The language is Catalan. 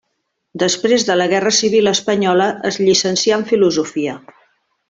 Després de la guerra civil espanyola es llicencià en Filosofia.